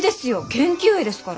研究絵ですから。